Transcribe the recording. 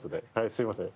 すいません。